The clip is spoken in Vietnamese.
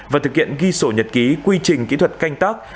và thực hiện ghi sổ nhật ký quy trình kỹ thuật canh tác